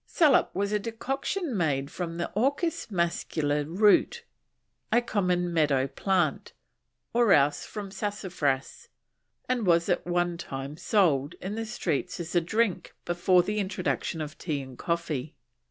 Saloup was a decoction made from the Orchis mascula root, a common meadow plant, or else from Sassafras, and was at one time sold in the streets as a drink before the introduction of tea and coffee.